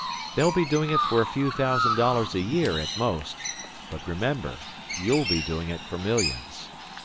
They'll be doing it for a few thousand dollars a year at most; but remember you'll be doing it for millions.